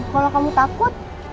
kalau kamu takut